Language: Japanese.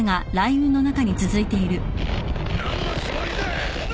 何のつもりだ！？